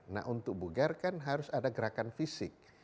nah untuk bugar kan harus ada gerakan fisik